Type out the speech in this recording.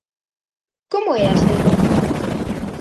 Como é a selva?